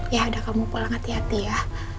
ya ada kamu pulang hati hati ya